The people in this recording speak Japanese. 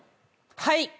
はい。